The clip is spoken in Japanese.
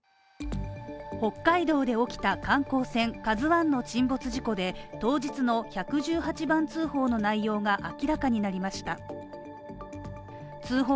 北海道で起きた観光船「ＫＡＺＵ１」の沈没事故で、当日の１１８番通報の内容が明らかになりました